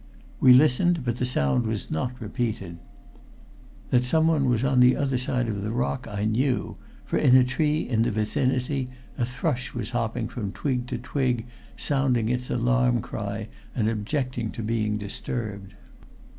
We listened, but the sound was not repeated. That someone was on the other side of the rock I knew, for in a tree in the vicinity a thrush was hopping from twig to twig, sounding its alarm cry and objecting to being disturbed.